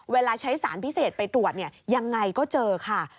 เวลาใช้สารพิเศษไปตรวจยังไงก็เจอค่ะ